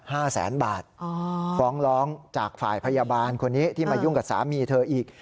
ห้าแสนบาทอ๋อฟ้องร้องจากฝ่ายพยาบาลคนนี้ที่มายุ่งกับสามีเธออีก